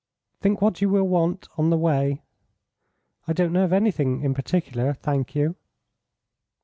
"Think what you will want on the way " "I don't know of anything in particular, thank you."